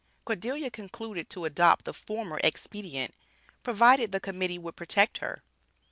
Cordelia concluded to adopt the former expedient, provided the Committee would protect her.